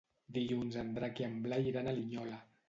Dilluns en Drac i en Blai iran a Linyola.